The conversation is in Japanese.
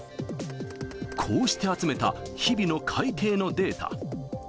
こうして集めた日々の海底のデータ。